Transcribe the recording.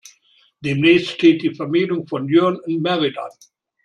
Demnächst steht die Vermählung von Jörn und Merit an.